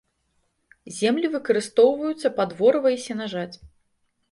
Землі выкарыстоўваюцца пад ворыва і сенажаць.